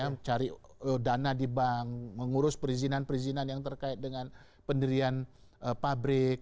mencari dana di bank mengurus perizinan perizinan yang terkait dengan pendirian pabrik